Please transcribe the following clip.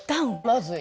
まずい。